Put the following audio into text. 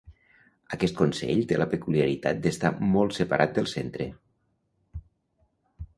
Aquest consell té la peculiaritat d'estar molt separat del centre.